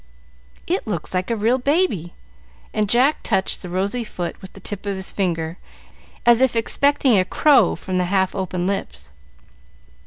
"It looks like a real baby;" and Jack touched the rosy foot with the tip of his finger, as if expecting a crow from the half open lips.